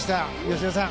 吉田さん